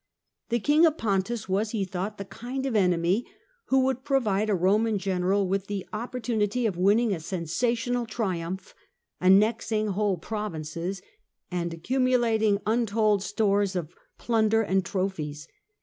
The King of Pontus was, he thought, the kind of enemy who would provide a Roman general with the opportunity for winning a sensational triumph, annexing whole pro vinces, and accumulating untold stores of plunder and trophies.